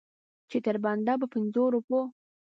چې تر بنده په پنځو روپو.